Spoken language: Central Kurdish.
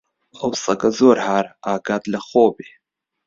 ئەو سەگە زۆر هارە، ئاگات لە خۆ بێ!